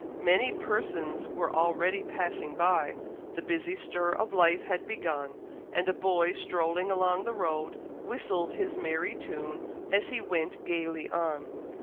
Many persons were already passing by the busy stir of life had begun, and a boy strolling along the road whistled his merry tune as he went gaily on.